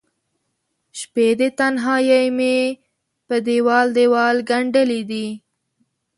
شپې د تنهائې مې په دیوال، دیوال ګنډلې دي